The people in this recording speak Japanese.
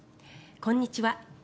こんにちは。